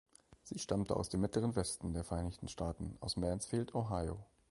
Sie stammte aus dem Mittleren Westen der Vereinigten Staaten, aus Mansfield, Ohio.